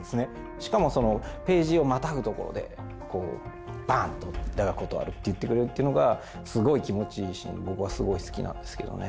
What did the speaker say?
しかもそのページをまたぐところでバーンと「だが断る」って言ってくれるっていうのがすごい気持ちいいシーンで僕はすごい好きなんですけどね。